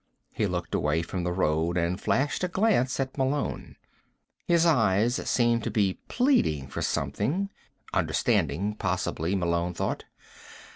He looked away from the road and flashed a glance at Malone. His eyes seemed to be pleading for something understanding, possibly, Malone thought.